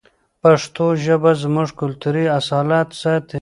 پښتو ژبه زموږ کلتوري اصالت ساتي.